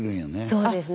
そうですね。